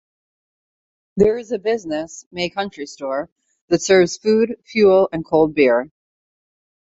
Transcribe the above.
There is a business May Country Store that serves food fuel and cold beer.